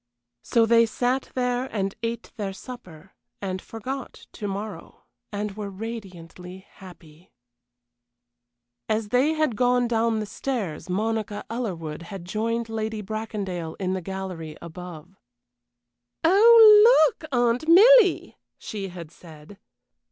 So they sat there and ate their supper, and forgot to morrow, and were radiantly happy. As they had gone down the stairs Monica Ellerwood had joined Lady Bracondale in the gallery above. "Oh! Look, Aunt Milly!" she had said.